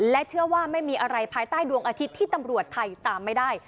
เชื่อว่าไม่มีอะไรภายใต้ดวงอาทิตย์ที่ตำรวจไทยตามไม่ได้